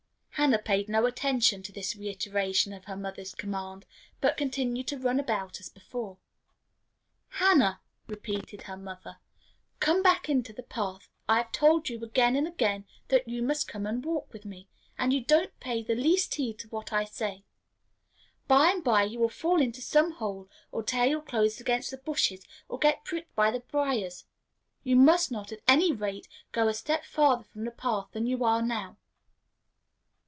Hannah paid no attention to this reiteration of her mother's command, but continued to run about as before. "Hannah," repeated her mother, "come back into the path. I have told you again and again that you must come and walk with me, and you don't pay the least heed to what I say. By and by you will fall into some hole, or tear your clothes against the bushes, or get pricked with the briers. You must not, at any rate, go a step farther from the path than you are now."